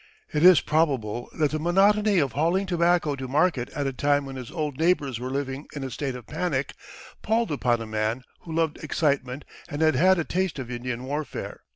It is probable that the monotony of hauling tobacco to market at a time when his old neighbors were living in a state of panic palled upon a man who loved excitement and had had a taste of Indian warfare.